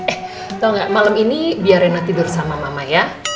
eh tau gak malam ini biar rena tidur sama mama ya